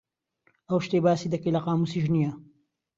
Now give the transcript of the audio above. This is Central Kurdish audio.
ئەو شتەی باسی دەکەی لە قامووسیش نییە.